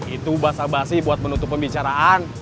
itu basa basi buat menutup pembicaraan